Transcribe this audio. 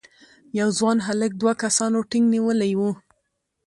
یو ځوان هلک دوه کسانو ټینک نیولی و.